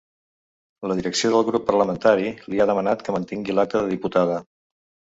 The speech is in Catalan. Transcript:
La direcció del grup parlamentari li ha demanat que mantingui l’acta de diputada.